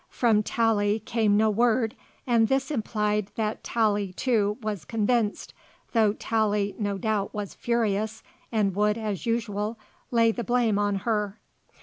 From Tallie came no word, and this implied that Tallie, too, was convinced, though Tallie, no doubt, was furious, and would, as usual, lay the blame on her.